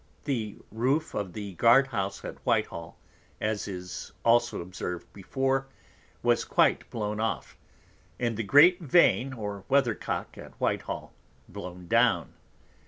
The Roof of the Guard house at Whitehall, as is also observ'd before, was quite blown off; and the great Vane, or Weather Cock at Whitehall blown down.